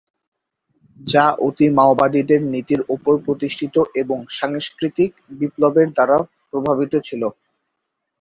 যা অতি-মাওবাদের নীতির উপর প্রতিষ্ঠিত এবং সাংস্কৃতিক বিপ্লবের দ্বারা প্রভাবিত ছিল।